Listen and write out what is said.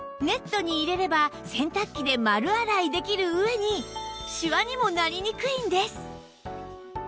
ネットに入れれば洗濯機で丸洗いできるうえにシワにもなりにくいんです